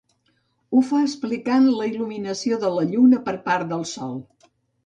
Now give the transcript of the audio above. Ho fa explicant la il·luminació de la Lluna per part del Sol.